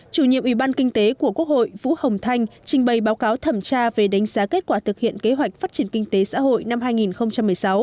chủ nhiệm ủy ban kinh tế của quốc hội vũ hồng thanh trình bày báo cáo thẩm tra về đánh giá kết quả thực hiện kế hoạch phát triển kinh tế xã hội năm hai nghìn một mươi sáu